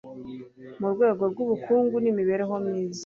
mu rwego rw'ubukungu n'imibereho myiza